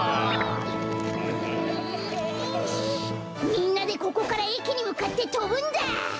みんなでここからえきにむかってとぶんだ！